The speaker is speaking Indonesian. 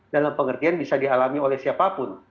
dalam pengertian bisa dialami oleh siapapun